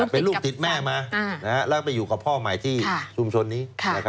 เป็นลูกติดแม่มาแล้วไปอยู่กับพ่อใหม่ที่ชุมชนนี้